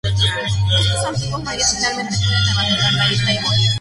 Estos antiguos reyes finalmente pueden abandonar la isla y morir.